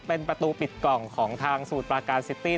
เป็นประตูปิดกล่องของทางสมุทรปราการซิตี้